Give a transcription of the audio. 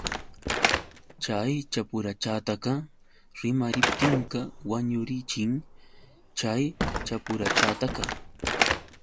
Chay chapuchataqa rimariptinqa wañurachin chay chapuchataqa.